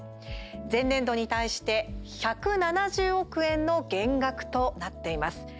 前年度に対して１７０億円の減額となっています。